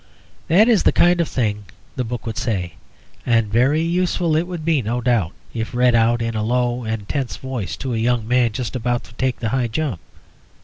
That is the kind of thing the book would say, and very useful it would be, no doubt, if read out in a low and tense voice to a young man just about to take the high jump.